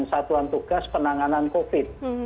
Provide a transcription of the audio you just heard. satuan tugas penanganan covid